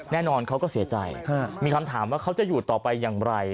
เขาก็เสียใจมีคำถามว่าเขาจะอยู่ต่อไปอย่างไร